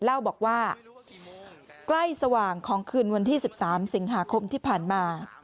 เล่าบอกว่าใกล้สว่างของคืนวันที่๑๓สิงหาคมที่ผ่านมา